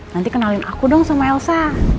nanti kenalin aku dong sama elsa